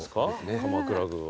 鎌倉宮は。